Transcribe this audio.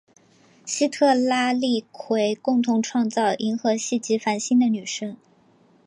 西特拉利奎共同创造银河系及繁星的女神。